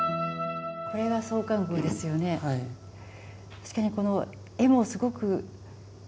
確かにこの絵もすごくきれい。